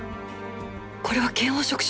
これは腱黄色腫。